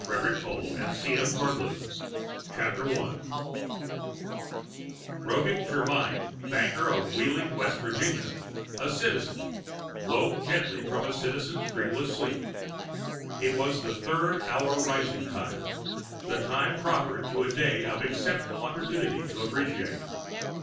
I Roget Germyn, banker, of Wheeling, West Virginia, a Citizen, woke gently from a Citizen's dreamless sleep. It was the third hour rising time, the time proper to a day of exceptional opportunity to appreciate.